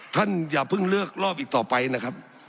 อย่าเพิ่งเลือกรอบอีกต่อไปนะครับ